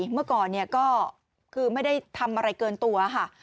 เมื่อก่อนก็คือไม่ได้ทำอะไรเกินตัวค่ะ